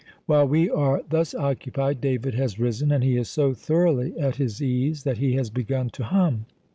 While we are thus occupied David has risen, and he is so thoroughly at his ease that he has begun to hum.